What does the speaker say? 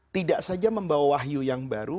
tidak saja membawa wahyu yang baru